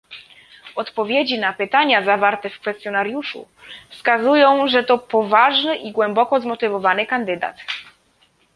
Odpowiedzi na pytania zawarte w kwestionariuszu wskazują, że to poważny i głęboko zmotywowany kandydat